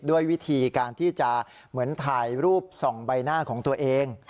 ด้วยวิธีการที่จะเหมือนถ่ายรูปส่องใบหน้าของตัวเอง